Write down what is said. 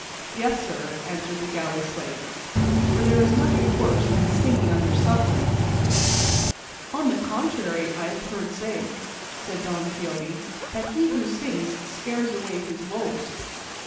"Yes, sir," answered the galley slave, "for there is nothing worse than singing under suffering." "On the contrary, I have heard say," said Don Quixote, "that he who sings scares away his woes."